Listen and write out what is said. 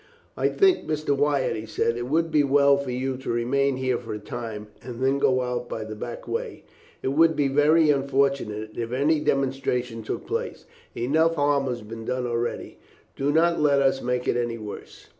"I think, Mr. Wyatt," he said, "it would be as well for you to remain here for a time, and then go out by the back way. It would be very unfortunate if any demonstration took place. Enough harm has been done already; do not let us make it any worse."